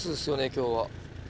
今日は。